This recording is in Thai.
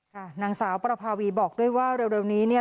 นางสาวประภาวีบอกด้วยว่าเร็วนี้เนี่ย